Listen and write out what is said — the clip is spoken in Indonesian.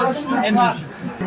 sedikit satu tangan saja